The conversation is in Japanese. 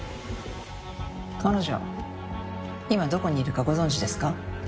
彼女今どこにいるかご存じですか？